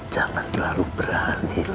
jangan terlalu berani